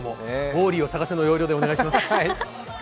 「ウォーリーを探せ」の要領でお願いします。